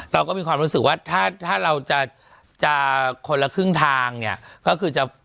เราก็มีความรู้สึกว่าถ้าเราจะคนละครึ่งทางเนี่ยก็คือจะ